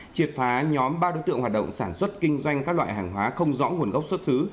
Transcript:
triệt phá nhóm ba đối tượng hoạt động sản xuất kinh doanh các loại hàng hóa không rõ nguồn gốc xuất xứ